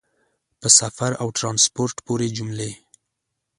په سفر او ټرانسپورټ پورې جملې